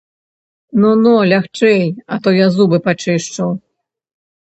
Но, но, лягчэй, а то я зубы пачышчу.